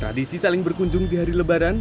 tradisi saling berkunjung di hari lebaran